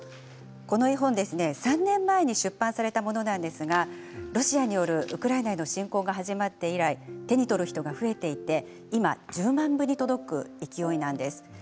この絵本、３年前に出版されたものなんですがロシアによるウクライナへの侵攻が始まって以来、手に取る人が増えていて今１０万部に届く勢いなんです。